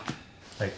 はい。